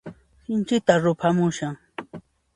Sinchita ruphamushan.